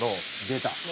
「出た」